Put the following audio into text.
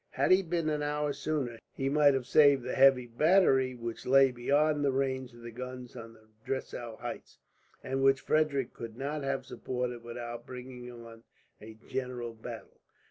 Had he been an hour sooner, he might have saved the heavy battery which lay beyond the range of the guns on the Dressau heights, and which Frederick could not have supported without bringing on a general battle.